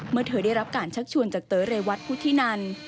เมื่อเธอได้รับการชักชวนจากเต๋อเรวัตพุทธินัน